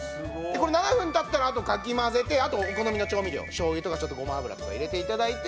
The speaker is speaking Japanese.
これ７分経ったらあとかき混ぜてあとお好みの調味料しょう油とかちょっとごま油とか入れて頂いて。